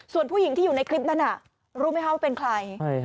ส่วนผู้หญิงที่อยู่ในคลิปนั้นรู้ไหมคะว่าเป็นใคร